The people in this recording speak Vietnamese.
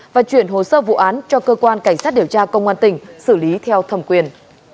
và chuyển hồ sơ vụ án cho cơ quan cảnh sát điều tra công an tỉnh xử lý theo thẩm quyền